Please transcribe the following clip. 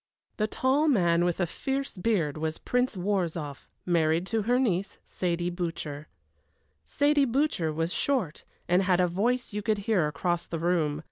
The tall man with the fierce beard was Prince Worrzoff, married to her niece, Saidie Butcher. Saidie Butcher was short, and had a voice you could hear across the room.